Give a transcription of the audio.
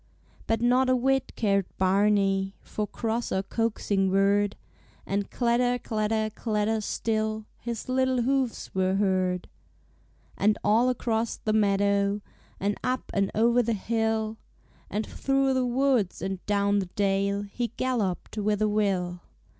But not a whit cared Barney For cross or coaxing word; And clatter, clatter, clatter still, His little hoofs were heard. And all across the meadow, And up and o'er the hill, And through the woods and down the dale He galloped with a will.